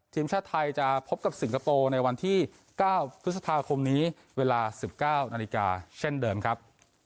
ทีมชาติไทยจะพบกับสิงคโปร์ในวันที่๙พฤษภาคมนี้เวลา๑๙นาฬิกาเช่นเดิมครับ